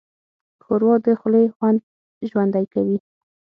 ښوروا د خولې خوند ژوندی کوي.